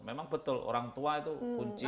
memang betul orang tua itu kunci